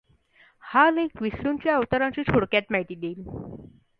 हा लेख विष्णूंच्या अवतारांची थोडक्यात माहिती देईल.